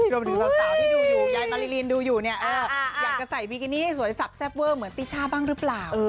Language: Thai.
รวมถึงสาวที่ดูอยู่ยายมาริลินดูอยู่เนี่ยอยากจะใส่บิกินี่ให้สวยสับแซ่บเวอร์เหมือนติช่าบ้างหรือเปล่า